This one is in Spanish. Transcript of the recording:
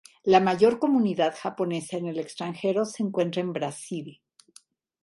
La mayor comunidad japonesa en el extranjero se encuentra en Brasil.